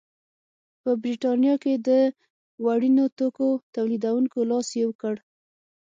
په برېټانیا کې د وړینو توکو تولیدوونکو لاس یو کړ.